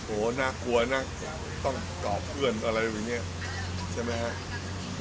โหน่ากลัวน่าต้องก่อเพื่อนอะไรอย่างเงี้ยใช่ไหมฮะ